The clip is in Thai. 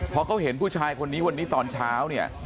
พอเขาเห็นผู้ชายคนนี้วันนี้ตอนเช้าเนี่ย